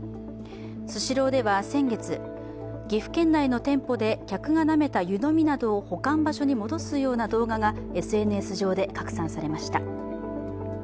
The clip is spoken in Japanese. スシローでは先月、岐阜県内の店舗で客がなめた湯飲みなどを保管場所に戻すような動画がＳＮＳ上で拡散されました。